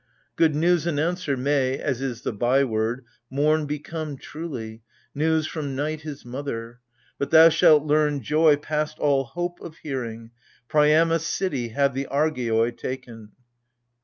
Good news announcer, may — as is the by word — Morn become, truly, — news from Night his mother ! But thou shalt learn joy past all hope of hearing. Priamos' city have the Argeioi taken.